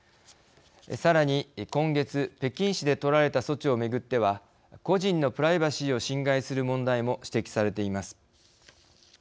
さらに、今月、北京市で取られた措置をめぐっては個人のプライバシーを侵害する問題も指摘されています。